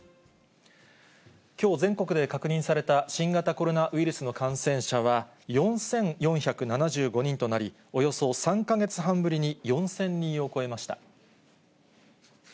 きょう、全国で確認された新型コロナウイルスの感染者は、４４７５人となり、およそ３か月半ぶりに、４０００人を超えました。